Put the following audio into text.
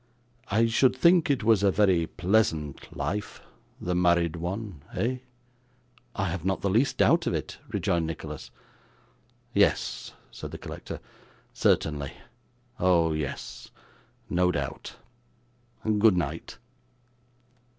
I should think it was a very pleasant life, the married one, eh?' 'I have not the least doubt of it,' rejoined Nicholas. 'Yes,' said the collector; 'certainly. Oh yes. No doubt. Good night.